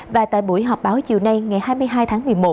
và tại buổi họp báo chiều nay ngày hai mươi hai tháng một mươi một